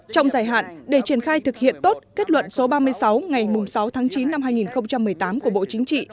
trong dài hạn để triển khai thực hiện tốt kết luận số ba mươi sáu ngày sáu tháng chín năm hai nghìn một mươi tám của bộ chính trị